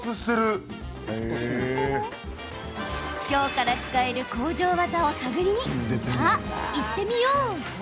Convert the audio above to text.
今日から使える工場ワザを探りにさあ、行ってみよう！